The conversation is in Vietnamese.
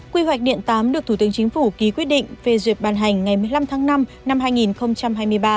quy hoạch điện tám được thủ tướng chính phủ ký quyết định phê duyệt bàn hành ngày một mươi năm tháng năm năm hai nghìn hai mươi ba